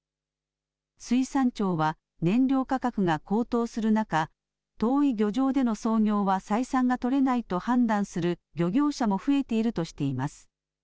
水産庁は、燃料価格が高騰する中、遠い漁場での操業は採算が取れないと判断する漁業者も増えているとしています。